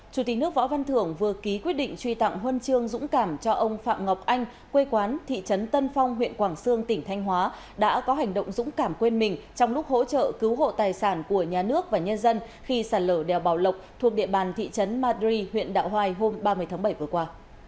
chủ tịch nước võ văn thưởng vừa ký quyết định truy tặng huân chương dũng cảm cho ông phạm ngọc anh quê quán thị trấn tân phong huyện quảng sương tỉnh thanh hóa đã có hành động dũng cảm quên mình trong lúc hỗ trợ cứu hộ tài sản của nhà nước và nhân dân khi sàn lở đèo bào lộc thuộc địa bàn thị trấn madri huyện đạo hoài hôm ba mươi tháng bảy vừa qua